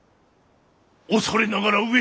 恐れながら上様。